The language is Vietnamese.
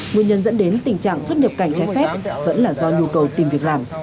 nguyên nhân dẫn đến tình trạng xuất nhập cảnh trái phép vẫn là do nhu cầu tìm việc làm